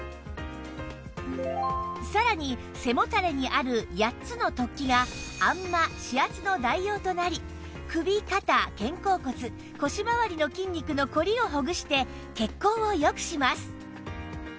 さらに背もたれにある８つの突起があんま指圧の代用となり首肩肩甲骨腰回りの筋肉の凝りをほぐして血行を良くします